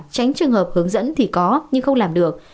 tránh trường hợp hướng dẫn thì có nhưng không làm được